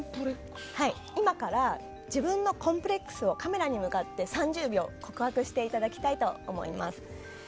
今から、自分のコンプレックスをカメラに向かって３０秒、告白していただきたいと思います。